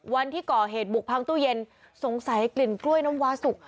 วันที่ก่อเหตุบุกพังตู้เย็นสงสัยกลิ่นกล้วยน้ำวาสุก